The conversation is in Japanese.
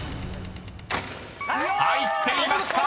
［入っていました「東京」！